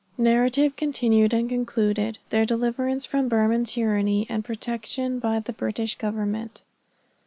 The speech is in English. NARRATIVE CONTINUED, AND CONCLUDED. THEIR DELIVERANCE FROM BURMAN TYRANNY, AND PROTECTION BY THE BRITISH GOVERNMENT.